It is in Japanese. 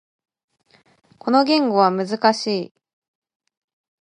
この言語は難しい。